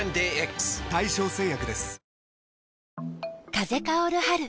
風薫る春。